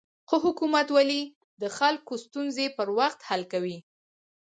ښه حکومتولي د خلکو ستونزې په وخت حل کوي.